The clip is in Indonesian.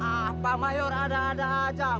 ah pak mayor ada ada aja